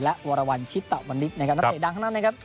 และวรวรรณชิตะวันนิษฐ์นะครับนักเตะดังทั้งนั้นนะครับ